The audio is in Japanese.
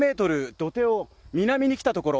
土手を南に来たところ。